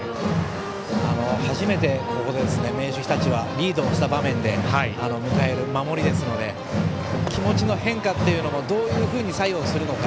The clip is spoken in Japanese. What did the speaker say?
初めてここで明秀日立はリードした場面で迎える守りですので気持ちの変化というのもどういうふうに左右するのか